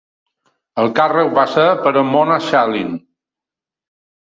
El càrrec va ser per a Mona Sahlin.